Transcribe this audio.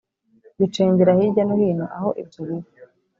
bicengera hirya no hino aho ibyo biba